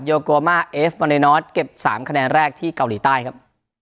โกมาเอฟวาเลนอสเก็บ๓คะแนนแรกที่เกาหลีใต้ครับ